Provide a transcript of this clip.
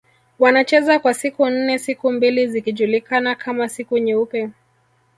Wanacheza kwa siku nne siku mbili zikijulikana kama siku nyeupe